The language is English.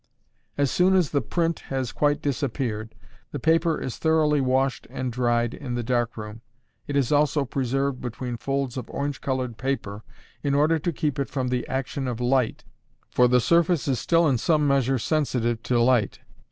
As soon as the print has quite disappeared, the paper is thoroughly washed and dried in the dark room; it is also preserved between folds of orange colored paper, in order to keep it from the action of light, for the surface is still in some measure sensitive to light.